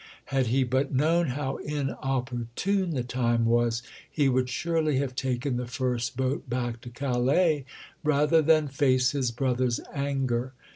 Had he but known how inopportune the time was he would surely have taken the first boat back to Calais rather than face his brother's anger.